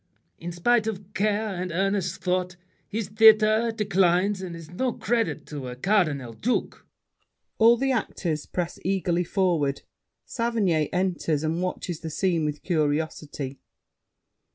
In spite of care And earnest thought, his theater declines, And is no credit to a cardinal duke. [All the actors press eagerly forward. Saverny enters, and watches the scene with curiosity.